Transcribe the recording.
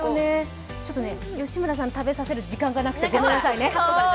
吉村さん、食べさせる時間がなくてごめんなさいね。